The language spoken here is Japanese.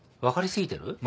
分かりすぎてる？